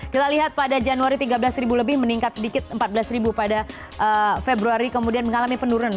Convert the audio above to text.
kita lihat pada januari tiga belas ribu lebih meningkat sedikit empat belas pada februari kemudian mengalami penurunan